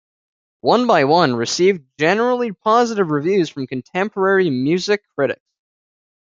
"One by One" received generally positive reviews from contemporary music critics.